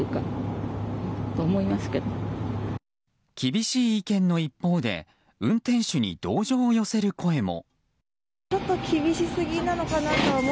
厳しい意見の一方で運転手に同情を寄せる声も。